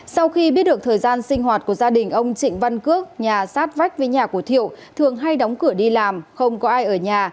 sau khi biết được thời gian sinh hoạt của gia đình ông trịnh văn cước nhà sát vách với nhà của thiệu thường hay đóng cửa đi làm không có ai ở nhà